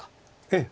ええ。